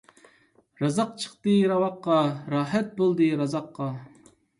رازاق چىقتى راۋاققا، راھەت بولدى رازاققا.